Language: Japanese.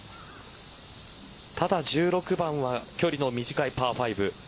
ただ１６番は距離の短いパー５。